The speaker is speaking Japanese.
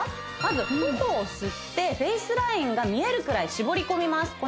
まず頬を吸ってフェイスラインが見えるくらい絞り込みます